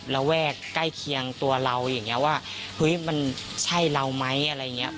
ระแวกใกล้เคียงตัวเราอย่างนี้ว่าเฮ้ยมันใช่เราไหมอะไรอย่างนี้